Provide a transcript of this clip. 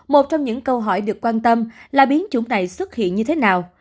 một trong những câu hỏi được quan tâm là biến chủng này xuất hiện như thế nào